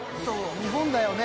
日本だよね？